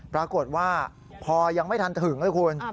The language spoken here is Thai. ปรากฏว่าพอยังไม่ทันถึงนะคุณ